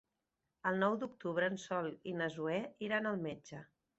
El nou d'octubre en Sol i na Zoè iran al metge.